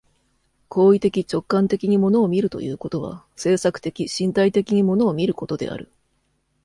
行為的直観的に物を見るということは、制作的身体的に物を見ることである。